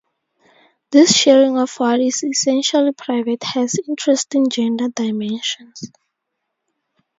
This sharing of what is essentially private has interesting gender dimensions.